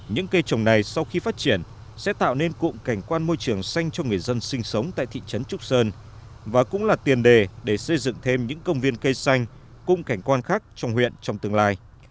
những cây trồng này sau khi phát triển sẽ tạo nên cụm cảnh quan môi trường xanh cho người dân sinh sống tại thị trấn trúc sơn và cũng là tiền đề để xây dựng thêm những công viên cây xanh cung cảnh quan khác trong huyện trong tương lai